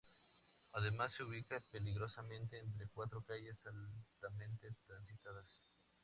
Además se ubica peligrosamente entre cuatro calles altamente transitadas.